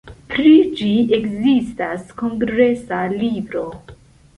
Pri ĝi ekzistas kongresa libro.